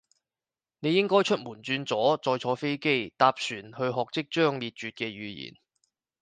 你應該出門轉左，再坐飛機，搭船去學即將滅絕嘅語言